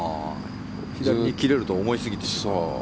左に切れると思いすぎてしまう？